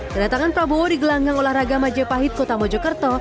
kedatangan prabowo di gelanggang olahraga majapahit kota mojokerto